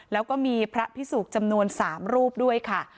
แล้วก็มีพระพิสุกจำนวน๓รูปด้วยค่ะ